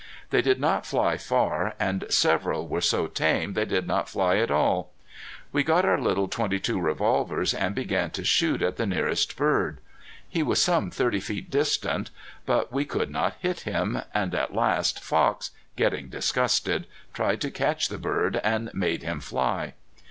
They did not fly far, and several were so tame they did not fly at all. We got our little .22 revolvers and began to shoot at the nearest bird. He was some thirty feet distant. But we could not hit him, and at last Fox, getting disgusted, tried to catch the bird and made him fly.